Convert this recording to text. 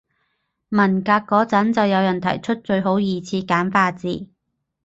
文革嗰陣就有人提出最好二次簡化字